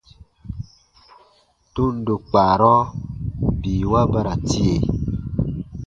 Tundo kpaarɔ biiwa ba ra tie.